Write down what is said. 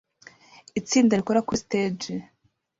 Itsinda rikora kuri stage